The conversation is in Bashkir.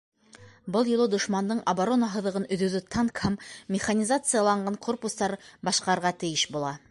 ...Был юлы дошмандың оборона һыҙығын өҙөүҙе танк һәм механизацияланған корпустар башҡарырға тейеш була.